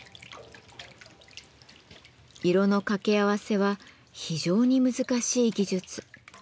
色の掛け合わせは非常に難しい技術。